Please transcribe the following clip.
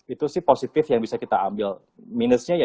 itu sih positif yang bisa kita ambil minusnya ya